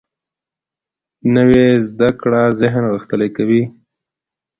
نوې زده کړه ذهن غښتلی کوي